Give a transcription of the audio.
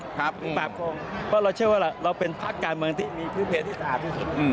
มีปรากรงเพราะเราเชื่อว่าเราเป็นภาคการเมืองที่มีคือเพลงที่สะอาดที่สุด